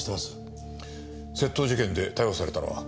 窃盗事件で逮捕されたのは？